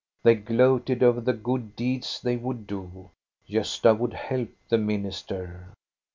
They gloated over the good deeds they would do. Gosta would help the minister.